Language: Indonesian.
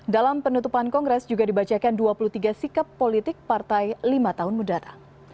dalam penutupan kongres juga dibacakan dua puluh tiga sikap politik partai lima tahun mudara